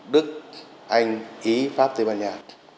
đức anh ý pháp tây ban nha